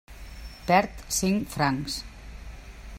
Perd cinc francs.